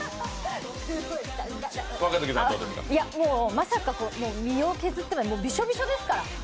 まさか身を削ってまで、びしょびしょですから。